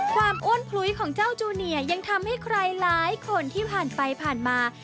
อ้วนพลุ้ยของเจ้าจูเนียยังทำให้ใครหลายคนที่ผ่านไปผ่านมา